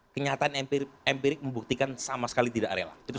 kenyataan empirik membuktikan sama sekali tidak rela